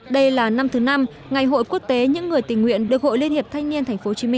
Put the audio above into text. đây là năm thứ năm ngày hội quốc tế những người tình nguyện được hội liên hiệp thanh niên tp hcm